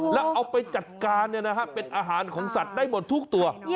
แล้วเอาไปจัดการเป็นอาหารของสัตว์ได้หมดทุกตัว